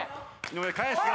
井上返すが。